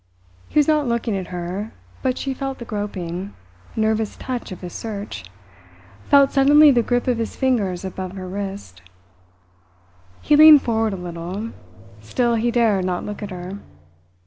He was not looking at her, but she felt the groping, nervous touch of his search, felt suddenly the grip of his fingers above her wrist. He leaned forward a little; still he dared not look at her.